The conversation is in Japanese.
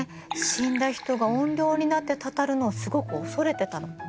死んだ人が怨霊になってたたるのをすごく恐れてたの。